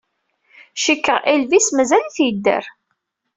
Cikkeɣ Elvis mazal-it yedder.